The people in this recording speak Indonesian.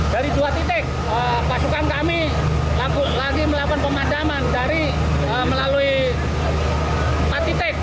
dari dua titik pasukan kami lagi melakukan pemadaman dari melalui empat titik